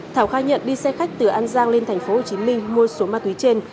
thảo khai nhận đi xe khách từ an giang lên thành phố hồ chí minh mua số ma túy trên